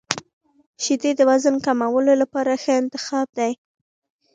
• شیدې د وزن کمولو لپاره ښه انتخاب دي.